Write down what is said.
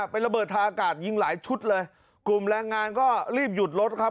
เป็นระเบิดทางอากาศยิงหลายชุดเลยกลุ่มแรงงานก็รีบหยุดรถครับ